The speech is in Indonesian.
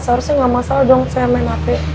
seharusnya gak masalah dong saya main hp